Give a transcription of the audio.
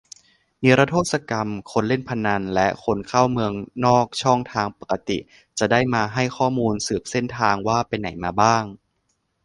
นิรโทษกรรม คนเล่นพนันและคนเข้าเมืองนอกช่องทางปกติ - จะได้มาให้ข้อมูล สืบเส้นทางว่าไปไหนมาบ้าง